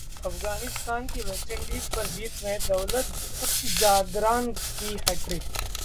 अफगानिस्तान की वेस्टइंडीज पर जीत में दौलत जादरान की हैट्रिक